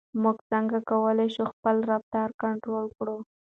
موږ څنګه کولای شو خپل رفتار کنټرول کړو؟